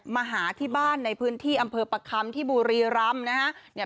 มาหาที่บ้านในพื้นที่อำเภอประคำที่บุรีรำนะฮะ